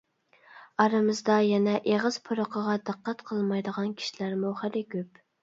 ئارىمىزدا يەنە ئېغىز پۇرىقىغا دىققەت قىلمايدىغان كىشىلەرمۇ خېلى كۆپ.